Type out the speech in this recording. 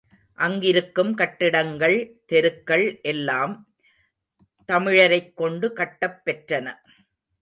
அங்கிருக்கும் கட்டிடங்கள் தெருக்கள் எல்லாம் தமிழரைக் கொண்டு கட்டப்பெற்றன.